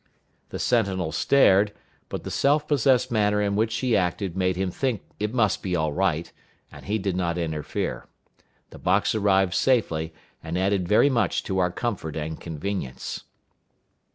The sentinel stared, but the self possessed manner in which she acted made him think it must be all right, and he did not interfere. The box arrived safely, and added very much to our comfort and convenience.